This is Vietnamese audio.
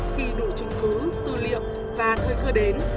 khi đủ chứng cứ tư liệu và thời cơ đến